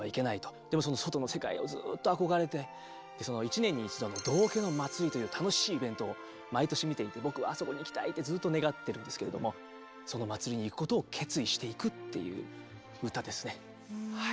でも外の世界をずっと憧れて一年に一度の道化の祭りという楽しいイベントを毎年見ていて僕はあそこに行きたいってずっと願ってるんですけれどもその祭りに行くことを決意していくっていう歌ですねはい。